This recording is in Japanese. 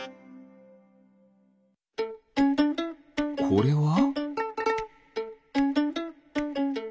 これは？